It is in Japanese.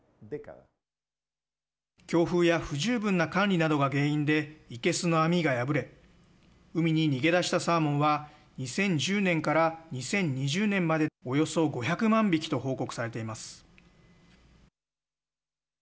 強風や不十分な管理などが原因で生けすの網が破れ海に逃げ出したサーモンは２０１０年から２０２０年までおよそ５００万匹と報告されています。